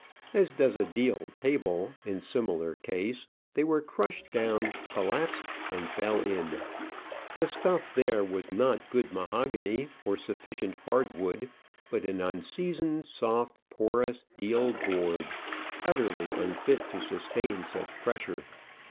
As does a deal table in similar case, they were crushed down, collapsed, and fell in. The stuff there was not good mahogany, or sufficient hard wood, but an unseasoned, soft, porous, deal board, utterly unfit to sustain such pressure.